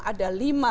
ada lima lapas yang